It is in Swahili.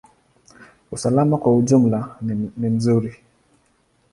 Usalama kwa ujumla ni nzuri.